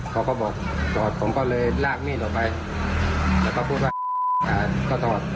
พ่อพ่อบอกผมก็เลยลากมีดออกไปแล้วก็พูดว่าพ่อทอด